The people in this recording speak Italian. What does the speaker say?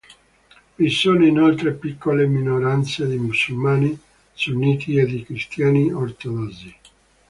Vi sono inoltre piccole minoranze di musulmani sunniti e di cristiani ortodossi.